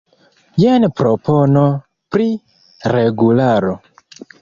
Jen propono pri regularo.